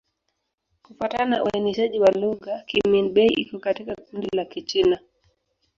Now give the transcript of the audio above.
Kufuatana na uainishaji wa lugha, Kimin-Bei iko katika kundi la Kichina.